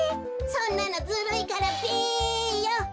そんなのずるいからべよ。